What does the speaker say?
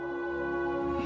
aku akan menjaga kita